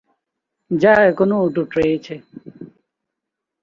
যা এখনও অটুট রয়েছে।